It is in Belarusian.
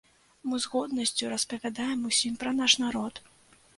Мы з годнасцю распавядаем усім пра наш народ!